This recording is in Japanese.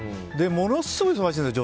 ものすごい忙しいんです。